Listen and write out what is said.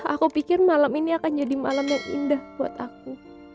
aku pikir malam ini akan jadi malam yang indah buat aku